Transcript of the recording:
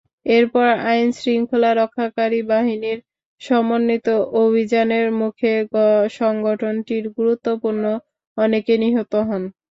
এরপর আইনশৃঙ্খলা রক্ষাকারী বাহিনীর সমন্বিত অভিযানের মুখে সংগঠনটির গুরুত্বপূর্ণ অনেকে নিহত হন।